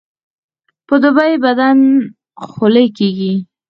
په دوبي بدن خولې کیږي